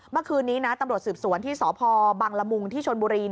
เมื่อคืนนี้นะตำรวจสืบสวนที่สพบังละมุงที่ชนบุรี